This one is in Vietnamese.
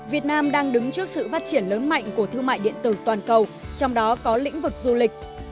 việt nam đang đứng trước sự phát triển lớn mạnh của thương mại điện tử toàn cầu trong đó có lĩnh vực du lịch